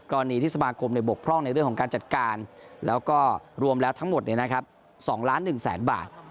กรณีที่สมาคมบกพร่องในเรื่องของการจัดการแล้วก็รวมแล้วทั้งหมด๒ล้าน๑แสนบาท